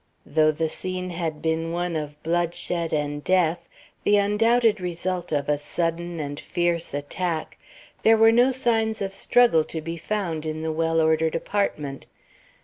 Though the scene had been one of bloodshed and death, the undoubted result of a sudden and fierce attack, there were no signs of struggle to be found in the well ordered apartment.